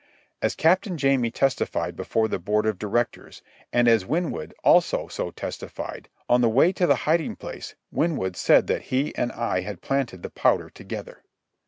As Captain Jamie testified before the Board of Directors, and as Winwood also so testified, on the way to the hiding place Winwood said that he and I had planted the powder together.